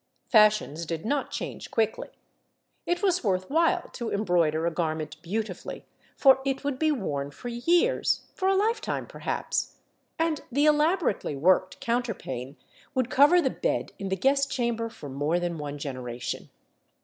Fashions did not change quickly. It was worth while to embroider a garment beautifully, for it would be worn for years, for a lifetime perhaps; and the elaborately worked counterpane would cover the bed in the guest chamber for more than one generation.